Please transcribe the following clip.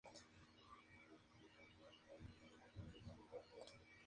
Fue un miembro y fundador de la sociedad colombiana de ingenieros.